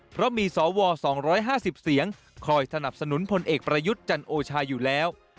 เพราะมีสว๒๕๐เสียงคอยสนับสนุนพลเอกประยุทธ์จันโอชาอยู่แล้ว